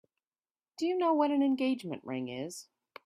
Do you know what an engagement ring is?